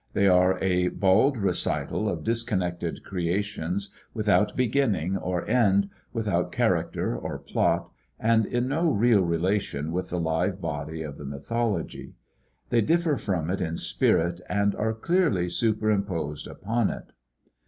They are a bald recital of disconnected creations, without beginning or end, without character or plot, and in no real relation with the live body of the mythology. They differ from it in spirit and are clearly superimposed upon it.